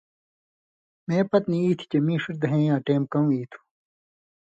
مے پتہۡ نی ای تھی چےۡ مِیں ݜِݜ دھیَیں یاں ٹېم کؤں ای تُھو۔